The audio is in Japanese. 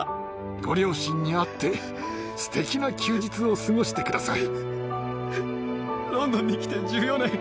ご両親に会ってすてきな休日を過ごしてください。